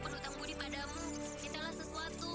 aku sudah melakukan kebaikan satu